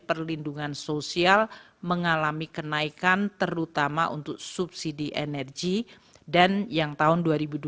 perlindungan sosial mengalami kenaikan terutama untuk subsidi energi dan yang tahun dua ribu dua puluh